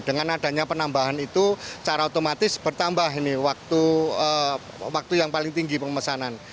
dengan adanya penambahan itu secara otomatis bertambah ini waktu yang paling tinggi pemesanan